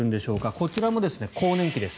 こちらも更年期です。